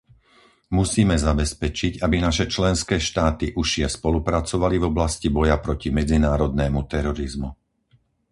Musíme zabezpečiť, aby naše členské štáty užšie spolupracovali v oblasti boja proti medzinárodnému terorizmu.